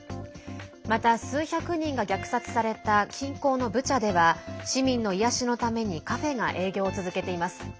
また、数百人が虐殺された近郊のブチャでは市民の癒やしのためにカフェが営業を続けています。